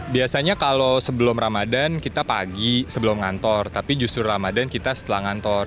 biasanya kalau sebelum ramadan kita pagi sebelum ngantor tapi justru ramadan kita setelah ngantor